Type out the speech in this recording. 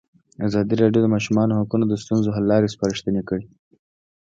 ازادي راډیو د د ماشومانو حقونه د ستونزو حل لارې سپارښتنې کړي.